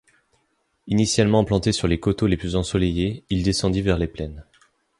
Initialement implanté sur les coteaux les plus ensoleillés, il descendit vers les plaines.